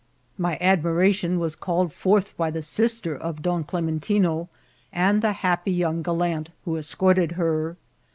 My admiration was called forth by the sister of Don Clementino and the happy young gal lant who escorted her.